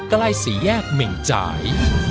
ใกล้สี่แยกเหม่งจ่าย